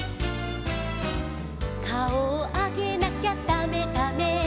「かおをあげなきゃだめだめ」